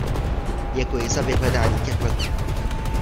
Děkuji za vyhledání těch letů.